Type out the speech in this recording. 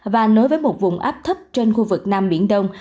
và nối với một vùng áp thấp trên khu vực nam biển đông